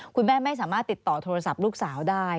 คุณแม่ไม่สามารถติดต่อโทรศัพท์ลูกสาวได้